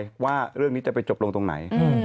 ว่าเรื่องนี้จะไปจบลงตรงไหน